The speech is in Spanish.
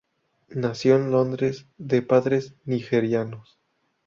Nació en Londres, de padres nigerianos.